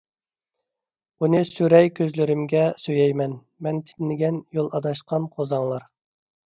ئۇنى سۈرەي كۆزلىرىمگە، سۆيەي مەن، مەن تېنىگەن، يول ئاداشقان قوزاڭلار ...